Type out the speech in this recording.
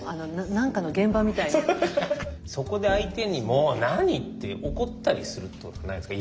そこで相手に「もう何！」って怒ったりするってことないですか？